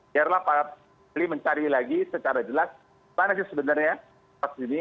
sehingga para peli mencari lagi secara jelas mana sih sebenarnya vaksin ini